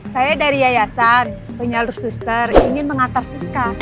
saya dari yayasan penyalur suster ingin mengantar siska